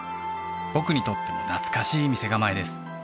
僕にとっても懐かしい店構えです